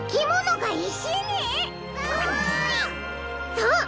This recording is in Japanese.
そう！